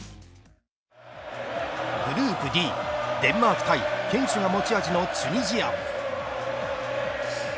グループＤデンマーク対堅守が持ち味のチュニジア。